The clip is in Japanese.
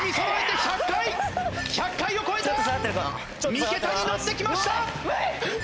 ３桁にのってきました！